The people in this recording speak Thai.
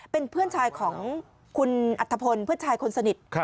เป็นเพื่อนชายของคุณอัธพลเพื่อนชายคนสนิท